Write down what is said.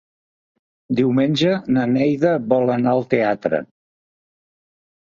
Diumenge na Neida vol anar al teatre.